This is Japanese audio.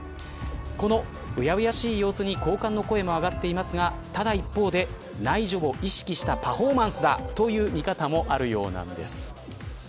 このうやうやしい様子に好感の声も上がっていますがただ一方で内助を意識したパフォーマンスだという見方もあるようなんです。